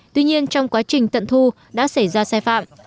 tuy nhiên trong quá trình tận thu đã xảy ra sai phạm